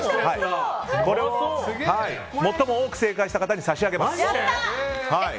これを最も多く正解した方に差し上げます。